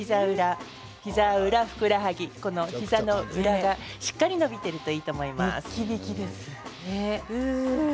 膝の裏とふくらはぎがしっかりと伸びているといいと思います。